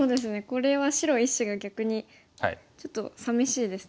これは白１子が逆にちょっとさみしいですね。